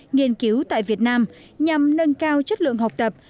nghiên cứu tại việt nam nhằm nâng cao chất lượng học tập